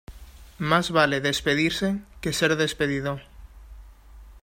Más vale despedirse que ser despedido.